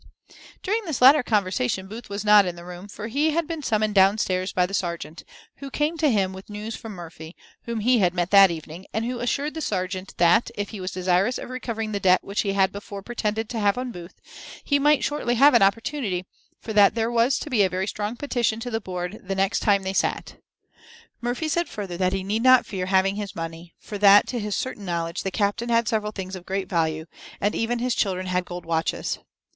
During this latter conversation Booth was not in the room, for he had been summoned down stairs by the serjeant, who came to him with news from Murphy, whom he had met that evening, and who assured the serjeant that, if he was desirous of recovering the debt which he had before pretended to have on Booth, he might shortly have an opportunity, for that there was to be a very strong petition to the board the next time they sat. Murphy said further that he need not fear having his money, for that, to his certain knowledge, the captain had several things of great value, and even his children had gold watches.